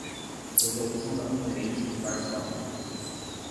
Resolução da Conferência de Varsóvia